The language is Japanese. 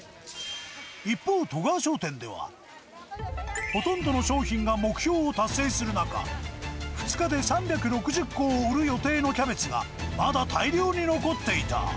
一方、外川商店では、ほとんどの商品が目標を達成する中、２日で３６０個を売る予定のキャベツが、まだ大量に残っていた。